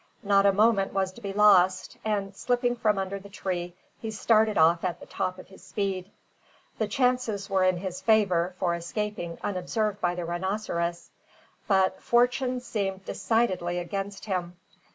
Not a moment was to be lost, and, slipping from under the tree, he started off at the top of his speed. The chances were in his favour for escaping unobserved by the rhinoceros. But fortune seemed decidedly against him.